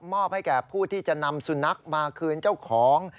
อบให้แก่ผู้ที่จะนำสุนัขมาคืนเจ้าของ